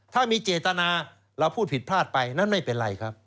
ถ้ามีเจตนาเราพูดผิดพลาดไปนั่นไม่เป็นไรครับ